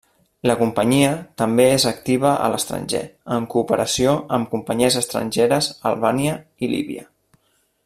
La companyia també és activa a l'estranger, en cooperació amb companyies estrangeres, Albània i Líbia.